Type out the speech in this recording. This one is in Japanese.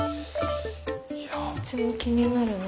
どっちも気になるな。